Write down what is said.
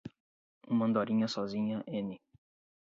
Uma andorinha sozinha n